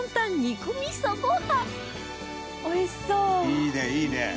いいねいいね。